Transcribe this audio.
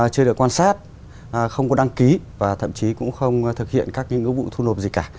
chưa được quan sát không có đăng ký và thậm chí cũng không thực hiện các vụ thu nộp gì cả